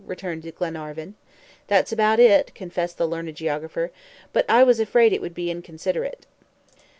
returned Glenarvan. "That's about it," confessed the learned geographer; "but I was afraid it would be inconsiderate."